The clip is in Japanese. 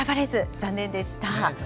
残念でした。